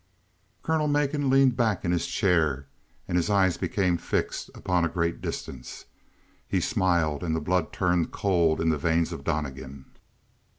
Colonel Macon leaned back in his chair and his eyes became fixed upon a great distance. He smiled, and the blood turned cold in the veins of Donnegan.